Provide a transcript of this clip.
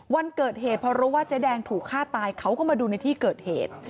วันเกิดเหตุพอรู้ว่าเจ๊แดงถูกฆ่าตายเขาก็มาดูในที่เกิดเหตุ